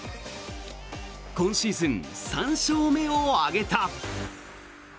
今シーズン３勝目を挙げた。